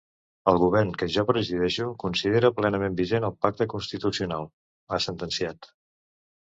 El govern que jo presideixo considera plenament vigent el pacte constitucional, ha sentenciat.